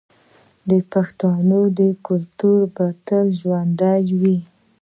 د پښتنو کلتور به تل ژوندی وي.